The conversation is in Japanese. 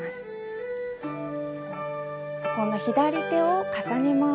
今度は左手を重ねます。